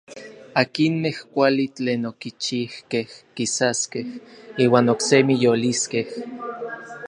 Akinmej kuali tlen okichijkej kisaskej iuan oksemi yoliskej.